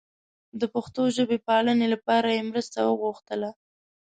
د پښتو ژبې پالنې لپاره یې مرسته وغوښتله.